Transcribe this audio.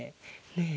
ねえ！